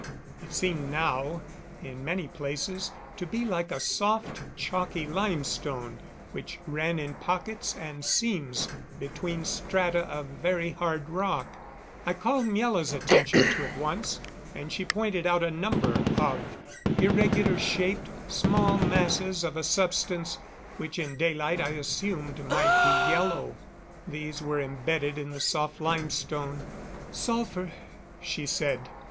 It seemed now, in many places, to be like a soft, chalky limestone, which ran in pockets and seams between strata of very hard rock. I called Miela's attention to it once, and she pointed out a number of irregular shaped, small masses of a substance which in daylight I assumed might be yellow. These were embedded in the soft limestone. "Sulphur," she said.